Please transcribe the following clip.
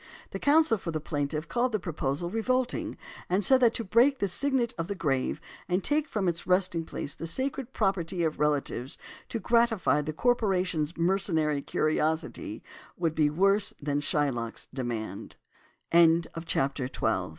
The counsel for the plaintiff called the proposal "revolting," and said that to break the signet of the grave, and take from its resting place the sacred property of relatives to gratify the corporation's mercenary curiosity, would be worse than Shylock's